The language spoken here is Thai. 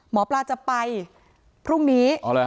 หมอปลาจะไปพรุ่งนี้